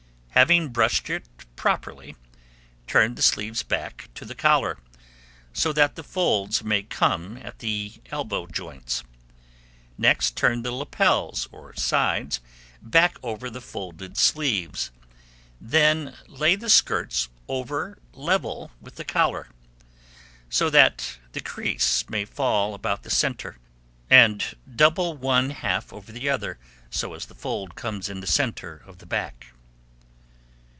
Having brushed it properly, turn the sleeves back to the collar, so that the folds may come at the elbow joints; next turn the lappels or sides back over the folded sleeves; then lay the skirts over level with the collar, so that the crease may fall about the centre, and double one half over the other, so as the fold comes in the centre of the back.